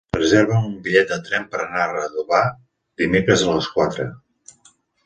Reserva'm un bitllet de tren per anar a Redovà dimecres a les quatre.